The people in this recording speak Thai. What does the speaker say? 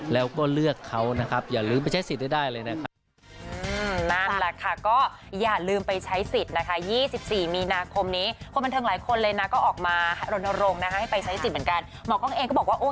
แล้วก็เลือกเขานะครับอย่าลืมไปใช้สิทธิ์ได้เลยนะครับ